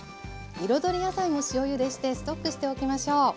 彩り野菜も塩ゆでしてストックしておきましょう。